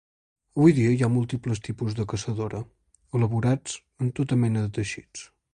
Avui dia hi ha múltiples tipus de caçadora, elaborats en tota mena de teixits.